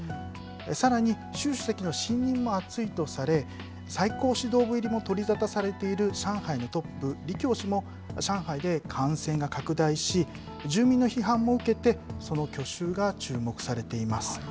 さらに、習主席の信任も厚いとされ、最高指導部入りも取り沙汰されている上海のトップ、李強氏も上海で感染が拡大し、住民の批判も受けて、その去就が注目されています。